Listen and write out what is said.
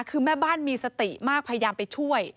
คือแม่บ้านมีสติมากพยายามไปช่วย